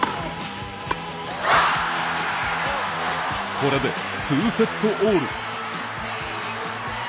これで、２セットオール。